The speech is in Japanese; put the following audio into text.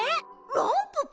ランププ！？